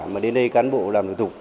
mà đến đây cán bộ làm thủ tục